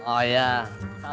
aku mau main